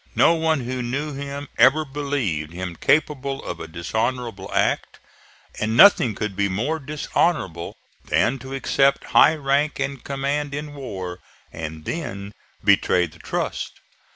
No one who knew him ever believed him capable of a dishonorable act, and nothing could be more dishonorable than to accept high rank and command in war and then betray the trust.